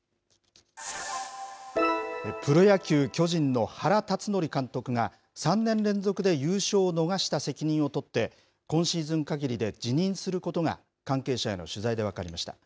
プロ野球・巨人の原辰徳監督が、３年連続で優勝を逃した責任を取って、今シーズンかぎりで辞任することが、関係者への取材で分かりました。